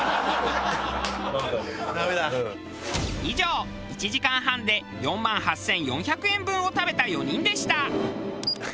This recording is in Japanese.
以上１時間半で４万８４００円分を食べた４人でした。